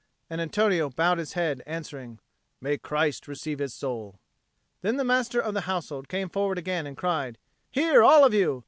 And Antonio bowed his head, answering, "May Christ receive his soul!" Then the Master of the Household came forward again and cried, "Hear all of you!